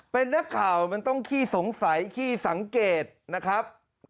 เป็นนักข่าวมันต้องขี้สงสัยขี้สังเกตนะครับ